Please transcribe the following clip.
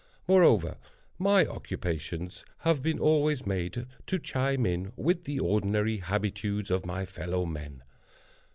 Moreover, my occupations have been always made to chime in with the ordinary habitudes of my fellowmen.